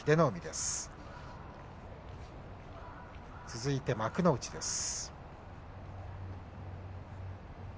続いて幕内です。